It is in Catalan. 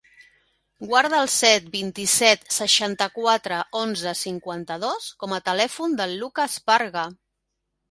Guarda el set, vint-i-set, seixanta-quatre, onze, cinquanta-dos com a telèfon del Lucas Parga.